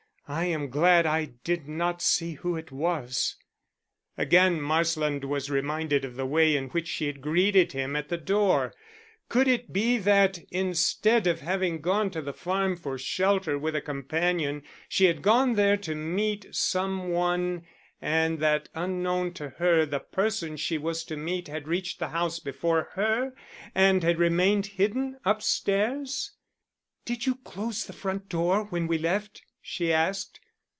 "I am glad I did not see who it was." Again Marsland was reminded of the way in which she had greeted him at the door. Could it be that, instead of having gone to the farm for shelter with a companion, she had gone there to meet some one, and that unknown to her the person she was to meet had reached the house before her and had remained hidden upstairs? "Did you close the front door when we left?" she asked.